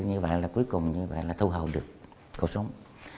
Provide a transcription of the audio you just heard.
như vậy là cuối cùng thu hậu được cuộc sống